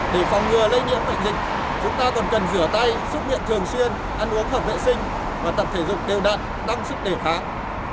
để phòng ngừa lây nhiễm bệnh dịch chúng ta còn cần rửa tay xúc miệng thường xuyên ăn uống hợp vệ sinh và tập thể dục đều đạn tăng sức đề kháng